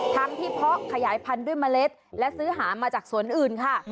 ทั้งที่เพาะขยายพันธุ์ด้วยเมล็ดและซื้อหามาจากสวนอื่นค่ะ